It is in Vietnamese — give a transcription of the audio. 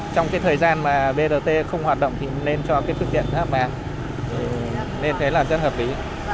trong thời gian mà brt không hoạt động thì nên cho phương tiện hạ bàn nên thế là rất hợp lý